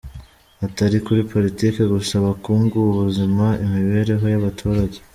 Atari kuri politike gusa, ubukungu, ubuzima, imibereho y’abaturage.